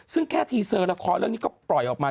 ซึ่งแค่ทีเซอร์ละครเรื่องนี้ก็ปล่อยออกมา